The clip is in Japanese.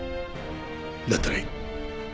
だったらいい。